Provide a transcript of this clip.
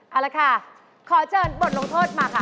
เอาละค่ะขอเชิญบทลงโทษมาค่ะ